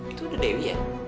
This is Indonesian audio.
itu udah dewi ya